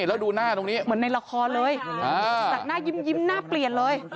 แล้วดูหน้าตรงนี้เหมือนในละครเลยจากหน้ายิ้มหน้าเปลี่ยนเลย